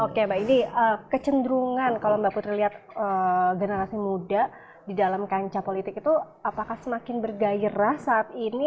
oke mbak ini kecenderungan kalau mbak putri lihat generasi muda di dalam kancah politik itu apakah semakin bergairah saat ini